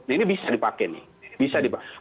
ini bisa dipakai nih